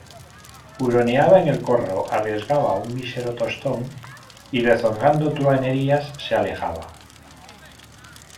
huroneaba en el corro, arriesgaba un mísero tostón , y rezongando truhanerías se alejaba.